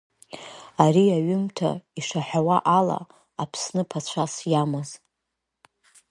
Ари аҩымҭа ишаҳәауа ала Аԥсны ԥацәас иамаз.